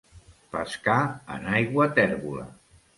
Pescar en aigua tèrbola.